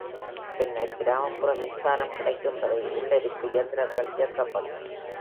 பின்னர், கிராமப்புற மின்சாரம் கிடைக்கும் வரை உள் எரிப்பு இயந்திரங்கள் இயக்கப்படும்